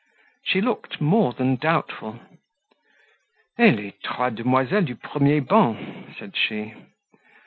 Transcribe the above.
She looked more than doubtful. "Et les trois demoiselles du premier banc?" said she.